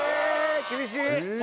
厳しい！